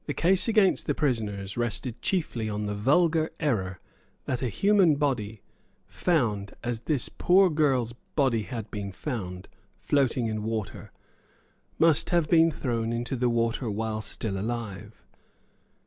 The case against the prisoners rested chiefly on the vulgar error that a human body, found, as this poor girl's body had been found, floating in water, must have been thrown into the water while still alive.